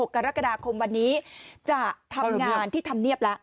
กรกฎาคมวันนี้จะทำงานที่ธรรมเนียบแล้ว